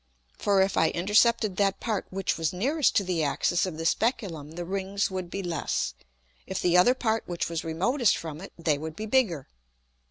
For if I intercepted that part which was nearest to the Axis of the Speculum the Rings would be less, if the other part which was remotest from it they would be bigger.